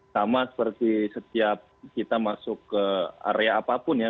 sama seperti setiap kita masuk ke area apapun ya